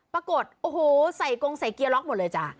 ปรากฏโอ้โหใส่กงใส่เกียร์ล็อกหมดเลยจ้ะ